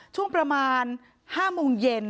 ช่วงประมาณ๕โมงเย็น